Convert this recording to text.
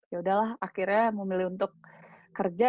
yaudah lah akhirnya mau milih untuk kerja